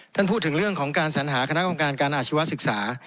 ท่านพูดถึงเรื่องของการสัญหาคณะกรรมการการอาชีวศึกษา